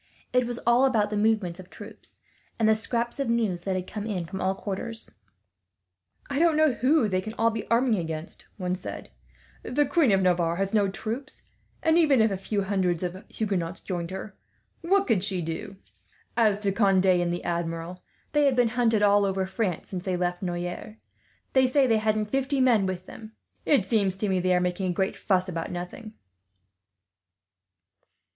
It was all about the movements of troops, and the scraps of news that had come in from all quarters. "I don't know who they can be all arming against," one said. "The Queen of Navarre has no troops and, even if a few hundreds of Huguenots joined her, what could she do? As to Conde and the Admiral, they have been hunted all over France, ever since they left Noyers. They say they hadn't fifty men with them. It seems to me they are making a great fuss about nothing."